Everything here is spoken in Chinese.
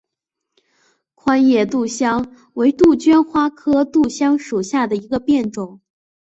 宽叶杜香为杜鹃花科杜香属下的一个变种。